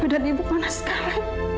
badan ibu panas sekali